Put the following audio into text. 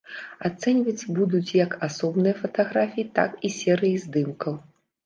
Ацэньвацца будуць як асобныя фатаграфіі, так і серыі здымкаў.